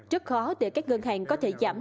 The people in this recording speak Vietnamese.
rất khó để các ngân hàng có thể giảm